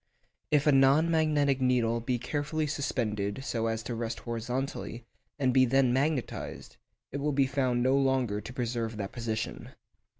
If a non magnetic needle be carefully suspended so as to rest horizontally, and be then magnetised, it will be found no longer to preserve that position.